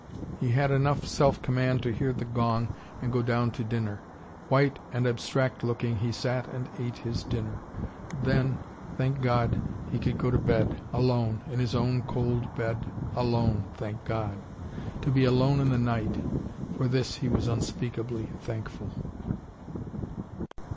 He had enough self command to hear the gong and go down to dinner. White and abstract looking, he sat and ate his dinner. And then, thank God, he could go to bed, alone, in his own cold bed, alone, thank God. To be alone in the night! For this he was unspeakably thankful.